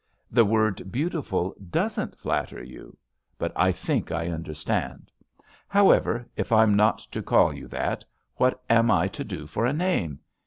"The word ^beautiful' doesn't flatter you. But I think I understand. However, if I'm not to call you that, what am I to do for a name?